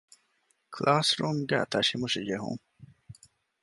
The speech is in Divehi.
ކުލާސްރޫމްގައި ތަށިމުށިޖެހުން